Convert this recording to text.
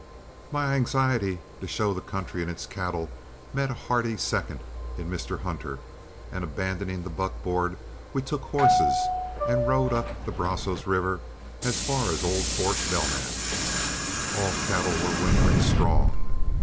My anxiety to show the country and its cattle met a hearty second in Mr. Hunter, and abandoning the buckboard, we took horses and rode up the Brazos River as far as old Fort Belknap. All cattle were wintering strong.